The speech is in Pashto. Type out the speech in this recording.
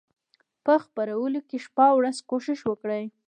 په خپرولو کې شپه او ورځ کوښښ وکړي.